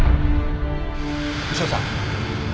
牛尾さん。